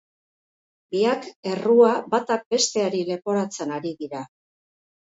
Biak errua batak besteari leporatzen ari dira.